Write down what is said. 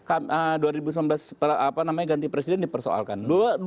dua ribu sembilan belas apa namanya ganti presiden dipersoalkan